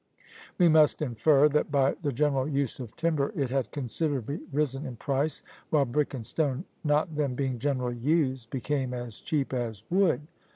We must infer that, by the general use of timber, it had considerably risen in price, while brick and stone not then being generally used, became as cheap as wood!